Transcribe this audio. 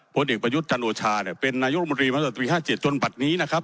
พลเอกประยุทธจันโดชาเนี่ยเป็นนายุทธบุญตรีตั้งแต่ปีห้าเจ็ดจนบันนี้นะครับ